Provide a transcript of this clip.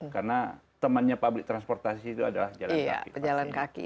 karena temannya public transportation itu adalah jalan kaki